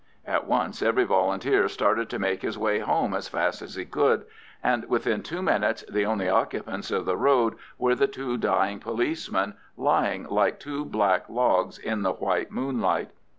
At once every Volunteer started to make his way home as fast as he could, and within two minutes the only occupants of the road were the two dying policemen, lying like two black logs in the white moonlight.